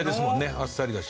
あっさりだし。